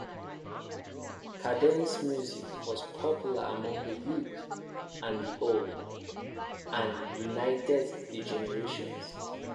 Cadence-music was popular among the young and the old and united the generations.